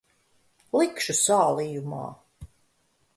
Likšu sālījumā.